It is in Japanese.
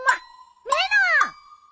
メロン。